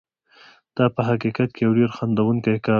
دا په حقیقت کې یو ډېر خندوونکی کار و.